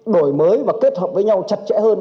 đổi mới và kết hợp với nhau chặt chẽ hơn